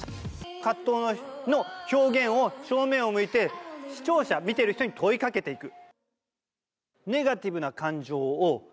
葛藤の表現を正面を向いて、視聴者、見ている人に問いかけていく。